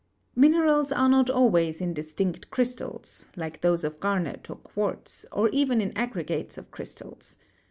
Minerals are not always in distinct crystals, like those of garnet or quartz, or even in aggregates of crystals.